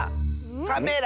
カメラ。